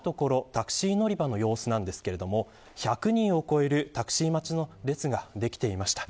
タクシー乗り場の様子なんですが１００人を超えるタクシー待ちの列ができていました。